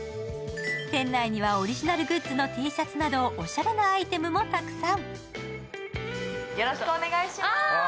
店内にはオリジナルグッズのＴシャツなどおしゃれなアイテムもたくさん。